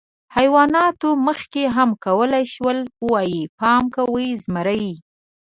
حیواناتو مخکې هم کولی شول، ووایي: «پام کوئ، زمری!».